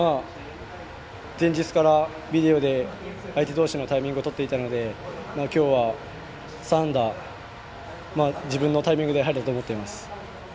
前日からビデオで相手投手のタイミングをとっていたので今日は、３安打自分のタイミングで入れたと思っています。